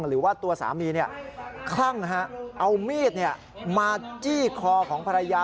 หรือว่าตัวสามีคลั่งเอามีดมาจี้คอของภรรยา